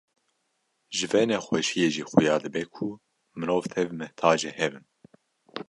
Ji vê nexweşiyê jî xuya dibe ku mirov tev mihtacê hev in.